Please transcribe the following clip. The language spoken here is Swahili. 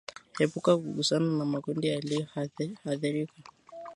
Epuka kugusana na makundi yaliyoathirika